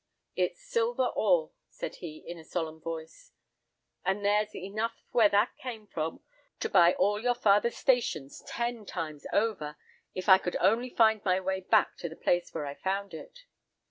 "'It's silver ore,' said he in a solemn voice; 'and there's enough where that came from to buy all your father's stations ten times over, if I could only find my way back to the place where I found it.